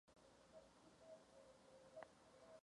Skupina stromů vytváří estetický prvek romantického podhradí.